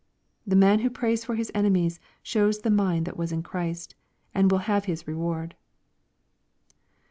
The man who prays for his enemies shows the mind that was in Christ, and will have his reward.